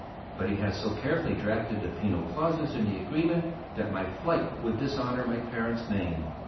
But he has so carefully drafted the penal clauses in the agreement, that my flight would dishonour my parents' name.